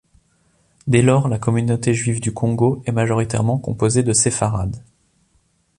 Dès lors, la communauté juive du Congo est majoritairement composée de Sépharades.